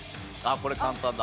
これ簡単だ。